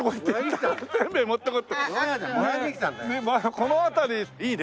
この辺りいいね。